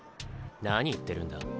何言ってるんだ？